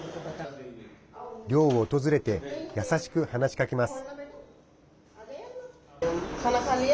寮を訪れて優しく話しかけます。